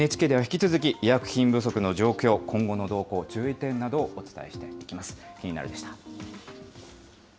ＮＨＫでは引き続き、医薬品不足の状況、今後の動向、注意点などをお伝えしていきます。